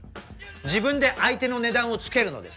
自分で相手の値段をつけるのです。